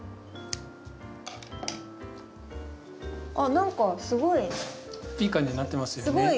あっ何かすごい。いい感じになってますよね。